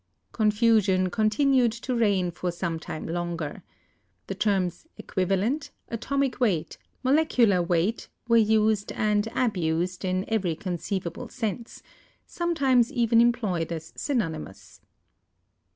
Confusion continued to reign for some time longer. The terms equivalent, atomic weight, molecular weight were used and abused in every conceivable sense; some times even employed as synonymous.